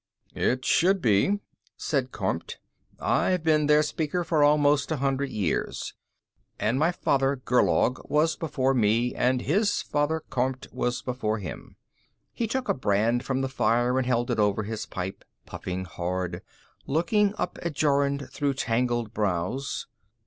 "It should be," said Kormt. "I've been their Speaker for almost a hundred years. And my father Gerlaug was before me, and his father Kormt was before him." He took a brand from the fire and held it over his pipe, puffing hard, looking up at Jorun through tangled brows.